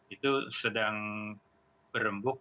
itu sedang berembuk